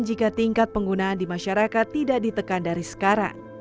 jika tingkat penggunaan di masyarakat tidak ditekan dari sekarang